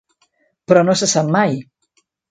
Però no se sap mai.